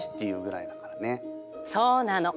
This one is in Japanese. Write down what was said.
そうなの。